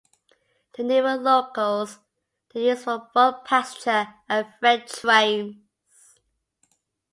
The newer locos are used for both passenger and freight trains.